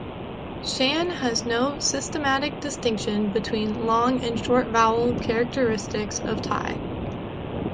Shan has no systematic distinction between long and short vowels characteristic of Thai.